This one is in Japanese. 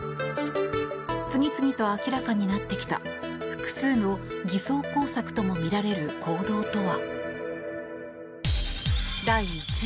次々と明らかになってきた複数の偽装工作ともみられる行動とは。